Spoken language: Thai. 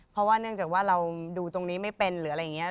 เพราะว่าเนื่องจากว่าเราดูตรงนี้ไม่เป็นหรืออะไรอย่างนี้